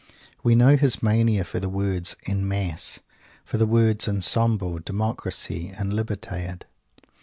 We know his mania for the word "en masse," for the words "ensemble," "democracy" and "libertad."